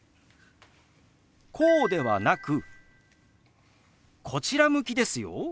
こうではなくこちら向きですよ。